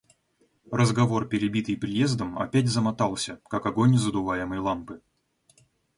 Разговор, перебитый приездом, опять замотался, как огонь задуваемой лампы.